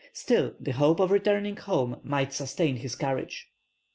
Still the hope of returning home might sustain his courage.